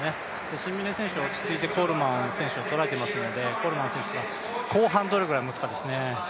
シンビネ選手は落ち着いてコールマン選手を捉えていますのでコールマン選手が後半どれぐらいもつかですね。